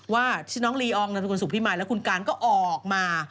ว่าน้องลีอองนำสุขุนสุขพิมัยแล้วคุณกานก็ออกมา